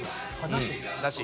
なし。